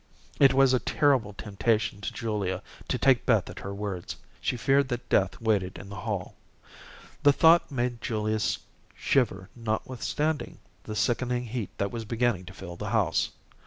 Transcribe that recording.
It was a terrible temptation to Julia to take Beth at her words. She feared that Death waited in the hall. The thought made Julia shiver notwithstanding the sickening heat that was beginning to fill the house.